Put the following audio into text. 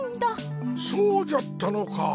そうじゃったのか。